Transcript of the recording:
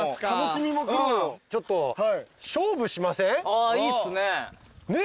ああいいっすね。